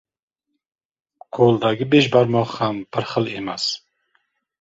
• Qo‘ldagi besh barmoq ham bir xil emas.